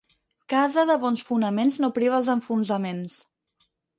Casa de bons fonaments no priva els enfonsaments.